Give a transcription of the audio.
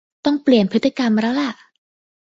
ต้องเปลี่ยนพฤติกรรมแล้วล่ะ